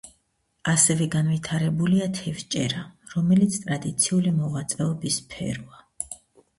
ასევე განვითარებულია თევზჭერა, რომელიც ტრადიციული მოღვაწეობის სფეროა.